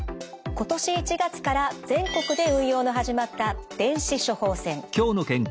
今年１月から全国で運用の始まった電子処方箋。